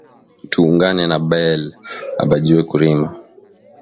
Tu ungane na bale abajuwe kurima